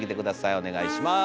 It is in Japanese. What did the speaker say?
お願いします。